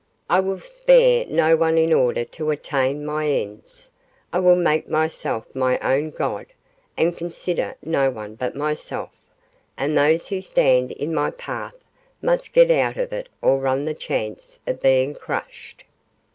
I will spare no one in order to attain my ends I will make myself my own God, and consider no one but myself, and those who stand in my path must get out of it or run the chance of being crushed.